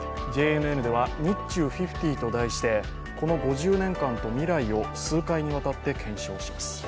ＪＮＮでは「日中５０」と題してこの５０年間と未来を数回にわたって検証します。